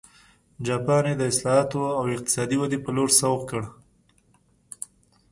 جاپان یې د اصلاحاتو او اقتصادي ودې په لور سوق کړ.